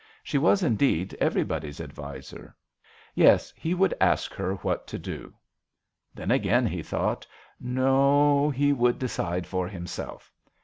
She was, indeed, everybody's adviser. Yes, he would ask her what to do. Then again he thought no, he would decide for himself.